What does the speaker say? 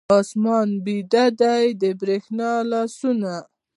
آسمان بیده دی، د بریښنا لاسونه